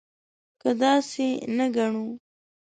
که داسې نه ګڼو.